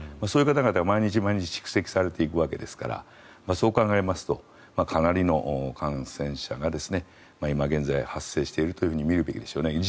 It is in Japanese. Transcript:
そういう方々が毎日毎日蓄積されていくわけですからそう考えますとかなりの感染者が今現在、発生していると見るべきでしょうね。